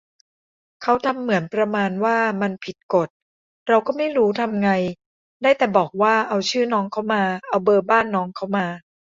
เขาทำเหมือนประมาณว่ามันผิดกฎ เราก็ไม่รู้ทำไง ได้แต่บอกว่าเอาชื่อน้องเค้ามา เอาเบอร์บ้านน้องเค้ามา